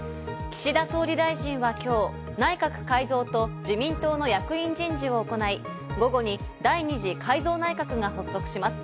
岸田総理大臣は今日、内閣改造と自民党の役員人事を行い午後に第２次改造内閣が発足します。